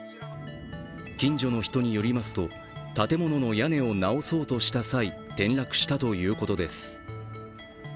近所の人によりますと、建物の屋根を直そうとした際、転落したということです。